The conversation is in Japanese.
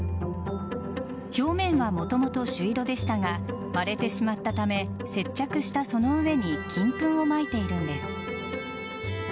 表面はもともと朱色でしたが割れてしまったため接着したその上に金粉をまいているんです。